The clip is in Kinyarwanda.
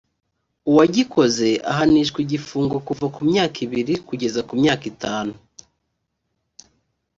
uwagikoze ahanishwa igifungo kuva ku myaka ibiri kugeza ku myaka itanu